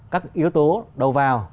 các yếu tố đầu vào